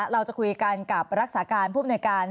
เราจะคุยกันกับรักษาการผู้อำนวยการ